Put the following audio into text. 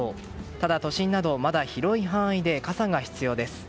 ただ、都心などまだ広い範囲で傘が必要です。